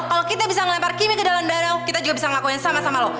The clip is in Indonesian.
kalau kita bisa melempar kimi ke dalam darah kita juga bisa ngelakuin sama sama loh